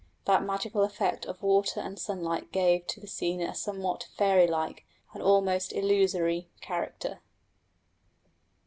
That magical effect of water and sunlight gave to the scene a somewhat fairy like, an almost illusory, character.